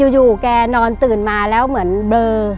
อยู่แกนอนตื่นมาแล้วเหมือนเบลอ